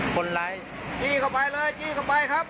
คนร้ายจี้เข้าไปเลยจี้เข้าไปครับ